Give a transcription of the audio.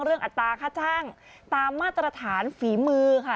อัตราค่าจ้างตามมาตรฐานฝีมือค่ะ